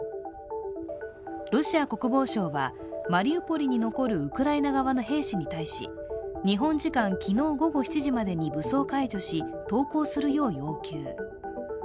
ロシア国防省はマリウポリに残るウクライナ側の兵士に対し日本時間昨日午後７時までに武装解除し、投降するよう要求。